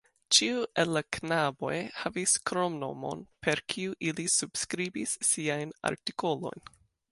Ĉiu el la knaboj havis kromnomon, per kiu ili subskribis siajn artikolojn.